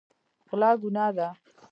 غلا ګناه ده.